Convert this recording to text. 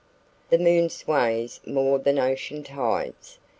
The moon sways more than ocean tides.